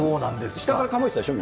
下から構えてたでしょ？